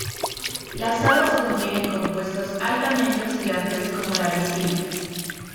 Las habas contienen compuestos altamente oxidantes como la vicina.